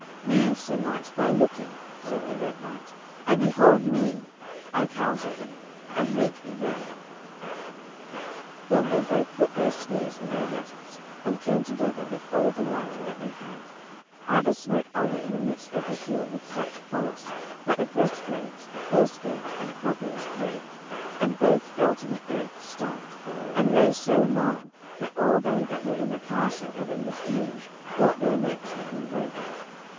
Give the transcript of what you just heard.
"Leave, Sir Knight, thy looking," said the Red Knight, "and behold me, I counsel thee, and make thee ready." Then they both put their spears in their rests, and came together with all the might that they had. Either smote other in the midst of the shield with such force that the breastplates, horse girths, and cruppers brake, and both fell to the earth stunned, and lay so long that all they that were in the castle and in the siege thought their necks had been broken.